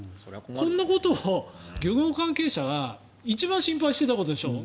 こんなこと、漁業関係者が一番心配していたことでしょ。